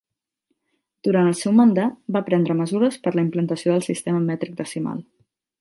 Durant el seu mandat va prendre mesures per a la implantació del sistema mètric decimal.